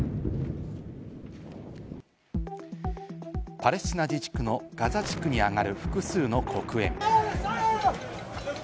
パレスチナ自治区のガザ地区に上がる複数の黒煙。